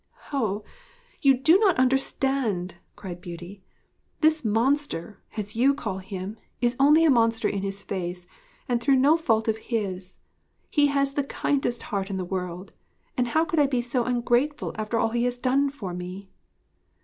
'Ah, you do not understand!' cried Beauty. 'This monster as you call him is only a monster in his face, and through no fault of his. He has the kindest heart in the world, and how could I be so ungrateful after all he has done for me!'